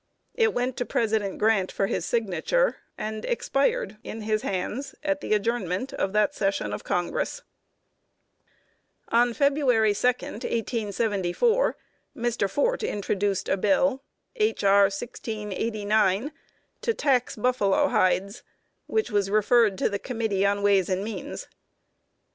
It went to President Grant for signature, and expired in his hands at the adjournment of that session of Congress. On February 2, 1874, Mr. Fort introduced a bill (H. R. 1689) to tax buffalo hides; which was referred to the Committee on Ways and Means.